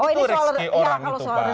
itu rezeki orang itu bang